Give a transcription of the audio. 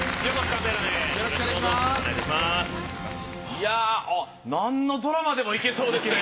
いやぁ何のドラマでもいけそうですね。